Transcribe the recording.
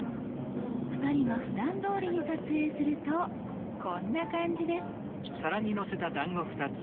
２人がふだんどおりに撮影するとこんな感じです。